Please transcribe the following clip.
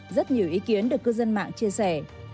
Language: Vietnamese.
rất nhiều ý kiến được cư dân mạng chia sẻ